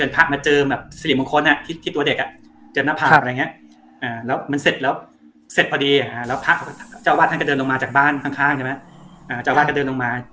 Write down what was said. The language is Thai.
พะมองอะเ฼อเห็นปลาดตาเหินเหลืองอะเขาก็หั่นไปมองเอ้าพะ